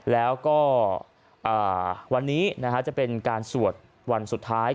แล้วก็วันนี้จะเป็นการสวดวันสุดท้าย